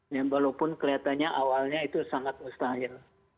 ya walaupun kelihatannya awalnya itu sangat mustahil